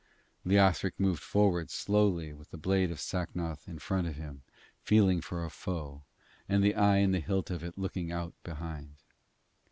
Leothric moved forward slowly with the blade of Sacnoth in front of him feeling for a foe, and the eye in the hilt of it looking out behind.